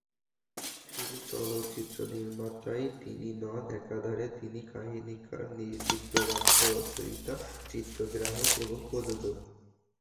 শুধু চলচ্চিত্রনির্মাতাই তিনি নন, একাধারে তিনি কাহিনিকার, চিত্রনাট্য রচয়িতা, চিত্রগ্রাহক এবং প্রযোজক।